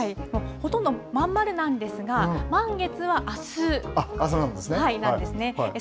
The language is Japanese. ほとんどまん丸なんですが、満月はあすなんですね。